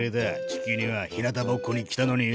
地球にはひなたぼっこに来たのによ。